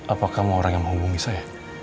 apakah mau orang yang menghubungi saya